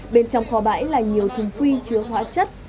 bên trong kho bãi là nhiều thùng phi chứa hóa chất